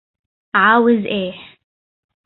عاوز إيه